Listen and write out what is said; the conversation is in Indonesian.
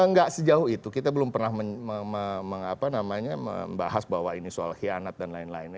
nggak sejauh itu kita belum pernah membahas bahwa ini soal hianat dan lain lain